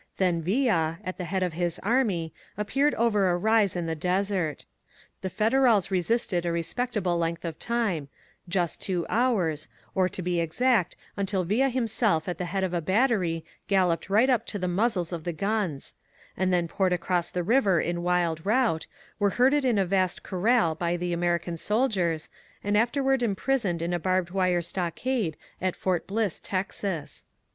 Then Villa, at the head of his army, appeared over a rise of the desert. The Federals resisted a respectable length of time — ^just two hours, or, to be exact, until Villa himself at the head of a battery galloped right up to the muzzles of the guns, — and then poured across the river in wild rout, were herded in a vast corral by the American sol diers, and afterward imprisoned in a barbed wire stock ade at Fort Bliss, Texas.